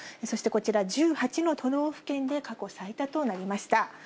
そしてこちら、１８の都道府県で過去最多となりました。